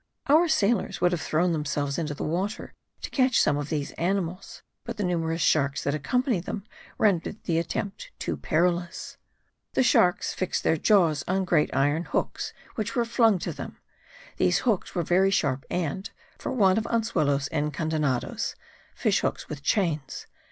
Our sailors would have thrown themselves into the water to catch some of these animals; but the numerous sharks that accompany them rendered the attempt too perilous. The sharks fixed their jaws on great iron hooks which were flung to them; these hooks were very sharp and (for want of anzuelos encandenados* (* Fish hooks with chains.))